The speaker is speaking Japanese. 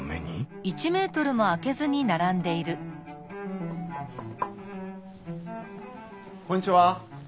あっこんにちは。